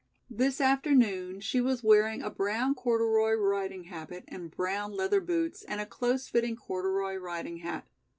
This afternoon she was wearing a brown corduroy riding habit and brown leather boots and a close fitting corduroy riding hat.